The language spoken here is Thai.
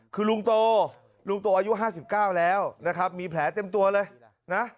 คือลุงโตลุงโตอายุ๕๙แล้วนะครับมีแผลเต็มตัวเลยนะ